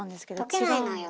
溶けないのよ。